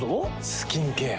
スキンケア。